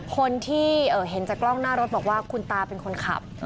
คนที่เห็นจากกล้องหน้ารถบอกว่าคุณตาเป็นคนขับ